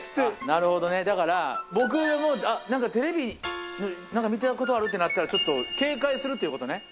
なるほどねだから僕らもテレビで見たことあるってなったらちょっと警戒するっていうことね。